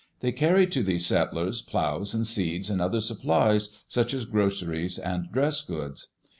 They carried to these settlers plows and seeds and other supplies, such as groceries and dress goods.